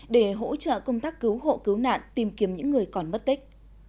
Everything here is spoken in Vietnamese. để hỗ trợ công tác cứu hộ cứu nạn tìm kiếm những người còn mất tích